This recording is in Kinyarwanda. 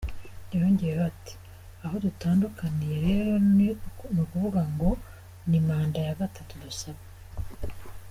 Yongeyeho ati "Aho dutandukaniye rero ni ukuvuga ngo ni manda ya gatatu dusaba.